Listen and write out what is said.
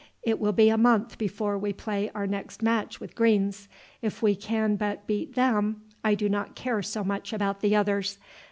It will be a month before we play our next match with Green's. If we can but beat them I do not care so much about the others.